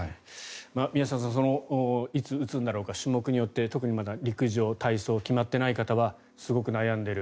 宮下さんいつ打つんだろうか種目によって特に陸上、体操決まっていない方はすごく悩んでいる。